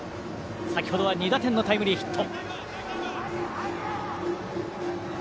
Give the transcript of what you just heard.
先ほど２打点のタイムリーヒット。